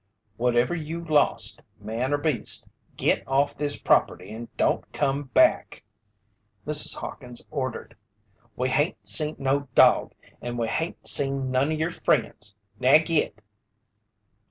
"Whatever you lost, man or beast, git off this property and don't come back!" Mrs. Hawkins ordered. "We hain't seen no dog, and we hain't seen none o' yer friends. Now git!"